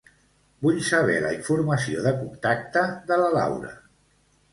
Vull saber la informació de contacte de la Laura.